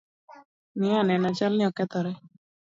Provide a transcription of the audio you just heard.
Ng’iye anena, chalni okethore.